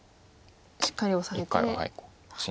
しっかりオサえて。